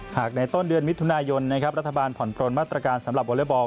หากในต้นเดือนมิถุนายนรัฐบาลผ่อนโปรดมาตรการสำหรับวอเลอร์บอล